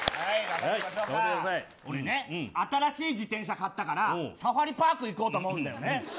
俺ね、新しい自転車買ったからサファリパーク行こうと思うんだよね。